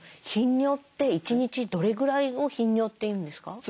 頻尿って１日どれぐらいを頻尿っていうんですか？